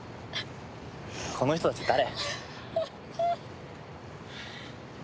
この人たち誰？